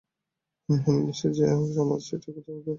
হুম, হুম, তো যাইহোক, আমরা একটা জায়গা খুঁজে বের করব।